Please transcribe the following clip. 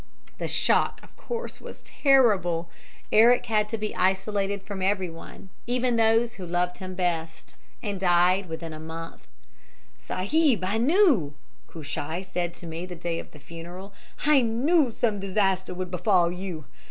"The shock, of course, was terrible. Eric had to be isolated from everyone even from those who loved him best and died within a month. "'Sahib, I knew!' Cushai said to me the day of the funeral, 'I knew some disaster would befall you.